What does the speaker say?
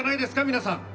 皆さん。